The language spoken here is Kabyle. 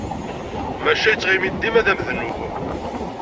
Maca yettɣimi-d dima d amednub.